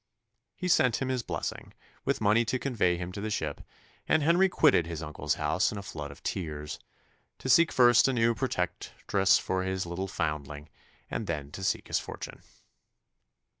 He sent him his blessing, with money to convey him to the ship, and Henry quitted his uncle's house in a flood of tears, to seek first a new protectress for his little foundling, and then to seek his fortune.